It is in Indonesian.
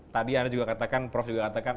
tadi anda juga katakan prof juga katakan